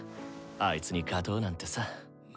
あいつに勝とうなんてさ。